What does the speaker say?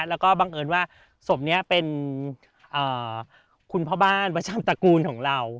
แล้วก็บังเอิญว่าศพนี้เป็นคุณพ่อบ้านประชามตระกูลของเรา